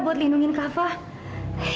buat lindungin kak fah